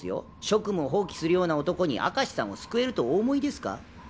職務を放棄するような男に明石さんを救えるとお思いですか？